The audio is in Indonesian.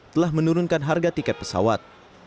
telah menurunkan harga tiket pesawat